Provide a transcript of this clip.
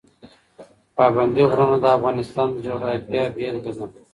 پابندی غرونه د افغانستان د جغرافیې بېلګه ده.